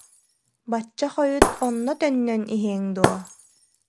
Бачча хойут онно төннөн иһиэҥ дуо